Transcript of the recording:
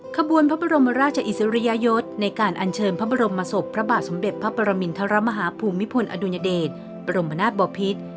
ขบวนพระบรมราชอิสริยยศในการอัญเชิญพระบรมศพพระบาทสมเด็จพระปรมินทรมาฮาภูมิพลอดุญเดชบรมนาศบพิษ